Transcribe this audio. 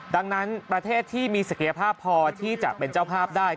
ดังนั้นประเทศที่มีศักยภาพพอที่จะเป็นเจ้าภาพได้